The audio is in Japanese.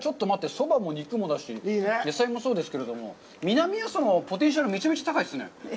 そばも肉もだし、野菜もそうですけれども、南阿蘇のポテンシャル、めちゃめちゃ高いですね。